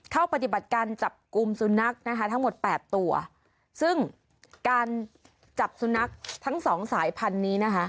เข้าปฏิบัติการจับกลุ่มสุนัขนะคะทั้งหมดแปดตัวซึ่งการจับสุนัขทั้งสองสายพันธุ์นี้นะคะ